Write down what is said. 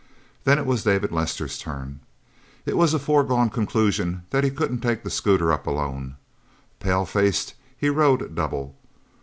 Then it was David Lester's turn. It was a foregone conclusion that he couldn't take the scooter up, alone. Palefaced, he rode double.